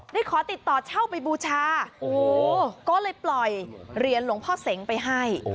ได้ขอติดต่อเช่าไปบูชาโอ้โหก็เลยปล่อยเหรียญหลวงพ่อเสงไปให้